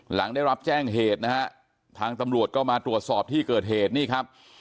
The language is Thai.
หลังได้รับแจ้งเหตุนะฮะทางตำรวจก็มาตรวจสอบที่เกิดเหตุนี่ครับ